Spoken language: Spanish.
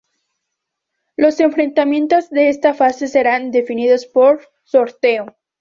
Los enfrentamientos de esta fase serán definidos por sorteo.